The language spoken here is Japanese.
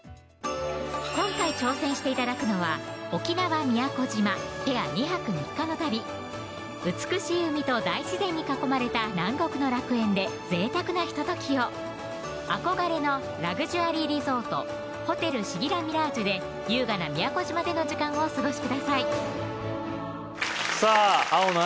今回挑戦して頂くのは沖縄・宮古島ペア２泊３日の旅美しい海と大自然に囲まれた南国の楽園でぜいたくなひとときを憧れのラグジュアリーリゾート・ホテルシギラミラージュで優雅な宮古島での時間をお過ごしくださいさぁ青の荒木さん